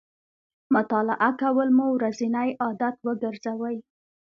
مطالعه کول مو ورځنی عادت وګرځوئ